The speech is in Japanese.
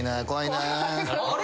あれ？